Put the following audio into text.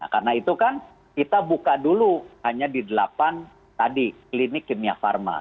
karena itu kan kita buka dulu hanya di delapan tadi klinik kimia pharma